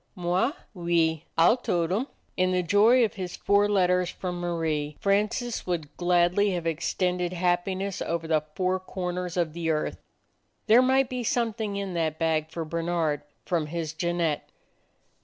"Moi? Oui. Ah 'll tote 'em!" In the joy of his four letters from Marie, Francis would gladly have extended happiness over the four corners of the earth. There might be something in that bag for Bernard from his Jeannette.